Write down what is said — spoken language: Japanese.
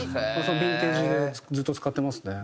ビンテージでずっと使ってますね。